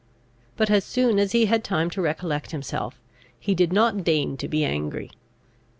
But, as soon as he had time to recollect himself, he did not deign to be angry.